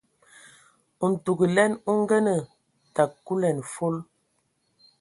Ntugəlɛn o ngənə təg kulɛn fol.